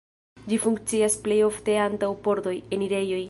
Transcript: Ĝi funkcias plej ofte antaŭ pordoj, enirejoj.